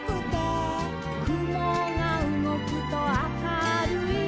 「くもがうごくと明るい」